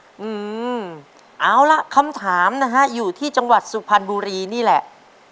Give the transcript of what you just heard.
อืมเอาล่ะคำถามนะฮะอยู่ที่จังหวัดสุพรรณบุรีนี่แหละ